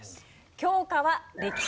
教科は歴史です。